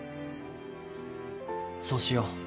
そうしよう。